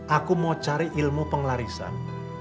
aku mau cari ilmu pengelarisan